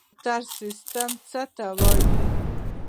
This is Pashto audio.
بارتر سیستم څه ته وایي؟